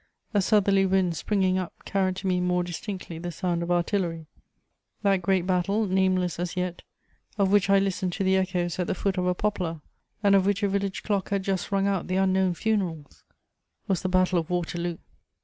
A southerly wind springing up carried to me more distinctly the sound of artillery. That great battle, nameless as yet, of which I listened to the echoes at the foot of a poplar, and of which a village clock had just rung out the unknown funerals, was the Battle of Waterloo!